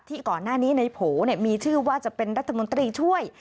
ก่อนหน้านี้ในโผล่มีชื่อว่าจะเป็นรัฐมนตรีช่วย